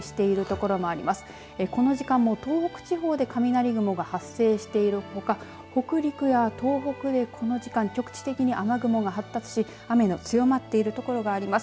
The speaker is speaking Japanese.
この時間も東北地方で雷雲が発生しているほか北陸や東北で、この時間局地的に雨雲が発達し雨の強まっている所があります。